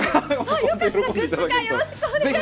よかったらグッズ化よろしくお願いします。